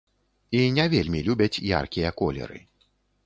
І не вельмі любяць яркія колеры.